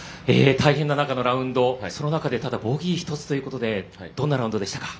大変な中でのラウンドその中でただボギー１つということでどんなラウンドでしたか。